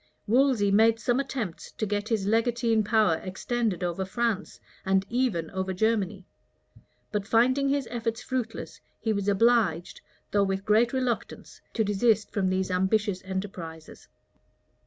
Wolsey made some attempts to get his legatine power extended over France, and even over Germany; but finding his efforts fruitless, he was obliged, though with great reluctance, to desist from these ambitious enterprises.